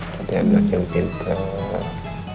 jadi anak yang pinter